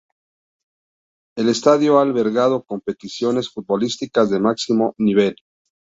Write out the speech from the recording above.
El estadio ha albergado competiciones futbolísticas de máximo nivel.